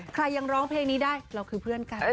ยังร้องเพลงนี้ได้เราคือเพื่อนกัน